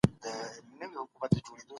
هغه باید د ټولني د پرمختګ په اړه فکر وکړي.